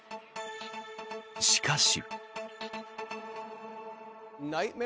しかし。